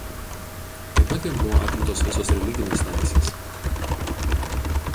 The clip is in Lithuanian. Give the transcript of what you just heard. Taip pat jam buvo atimtos visos religinės teisės.